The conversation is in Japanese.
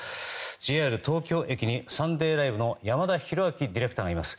ＪＲ東京駅に「サンデーＬＩＶＥ！！」の山田寛明ディレクターがいます。